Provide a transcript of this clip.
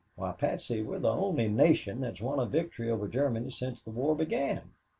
Why, Patsy, we're the only nation that has won a victory over Germany since the war began.